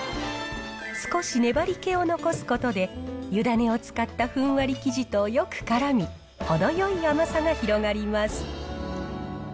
少し粘り気を残すことで、湯種を使ったふんわり生地とよくからみ、程よい甘さが広がります。